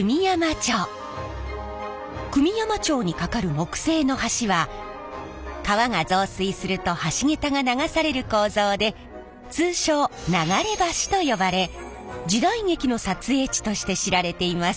久御山町にかかる木製の橋は川が増水すると橋桁が流される構造で通称流れ橋と呼ばれ時代劇の撮影地として知られています。